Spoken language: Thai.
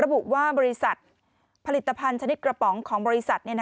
ระบุว่าบริษัทผลิตภัณฑ์ชนิดกระป๋องของบริษัท